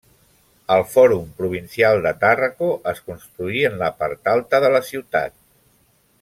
El Fòrum provincial de Tàrraco es construí en la part alta de la ciutat.